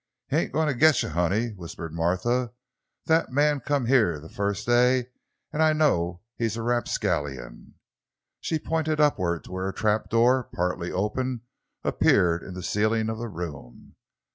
"He ain' goin' to git you, honey," whispered Martha. "That man come heah the firs' day, an' I knowed he's a rapscallion." She pointed upward, to where a trap door, partly open, appeared in the ceiling of the room.